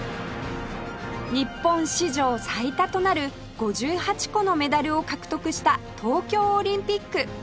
日本史上最多となる５８個のメダルを獲得した東京オリンピック